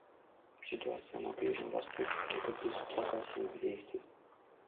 Ситуация на Ближнем Востоке требует безотлагательных действий.